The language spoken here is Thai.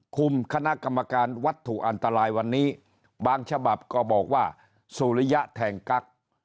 คุมคณะกรรมการวัตถุอันตรายวันนี้บางฉบับก็บอกว่าสุริยะแทงกั๊ก